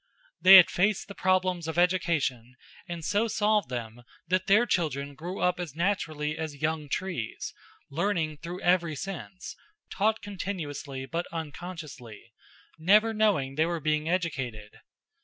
They had faced the problems of education and so solved them that their children grew up as naturally as young trees; learning through every sense; taught continuously but unconsciously never knowing they were being educated.